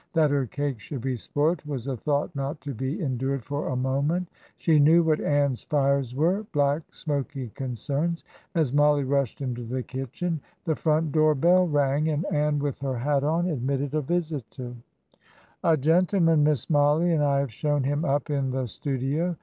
That her cake should be spoilt was a thought not to be endured for a moment. She knew what Ann's fires were black, smoky concerns. As Mollie rushed into the kitchen the front door bell rang, and Ann, with her hat on, admitted a visitor. "A gentleman, Miss Mollie, and I have shown him up in the studio."